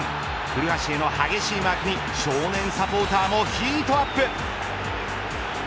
古橋への激しいマークに少年サポーターもヒートアップ。